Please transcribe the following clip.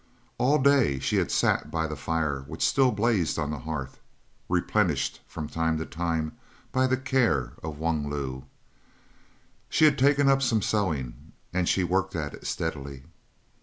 All day she had sat by the fire which still blazed on the hearth, replenished from time to time by the care of Wung Lu. She had taken up some sewing, and she worked at it steadily.